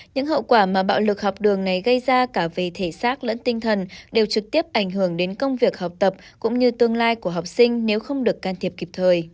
những hậu quả mà bạo lực học đường này gây ra cả về thể xác lẫn tinh thần đều trực tiếp ảnh hưởng đến công việc học tập cũng như tương lai của học sinh nếu không được can thiệp kịp thời